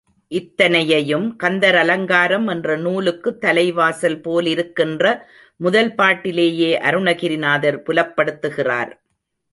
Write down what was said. இத்தனையையும் கந்தர் அலங்காரம் என்ற நூலுக்குத் தலைவாசல் போலிருக்கின்ற முதல் பாட்டிலேயே அருணகிரிநாதர் புலப்படுத்துகிறார்.